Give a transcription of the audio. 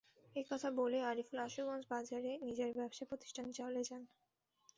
এ কথা বলেই আরিফুল আশুগঞ্জ বাজারে নিজের ব্যবসা প্রতিষ্ঠানে চলে যান।